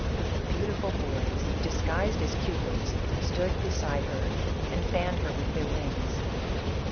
Beautiful boys, disguised as Cu pids, stood beside her, and fanned her with their wings.